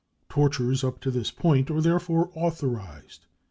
Tortures up to this point are therefore authorised.